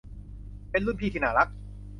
เป็นรุ่นพี่ที่น่ารัก